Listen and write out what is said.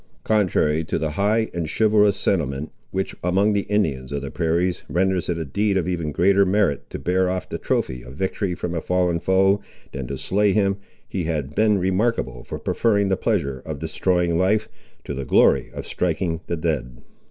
Contrary to the high and chivalrous sentiment, which among the Indians of the prairies renders it a deed of even greater merit to bear off the trophy of victory from a fallen foe, than to slay him, he had been remarkable for preferring the pleasure of destroying life, to the glory of striking the dead.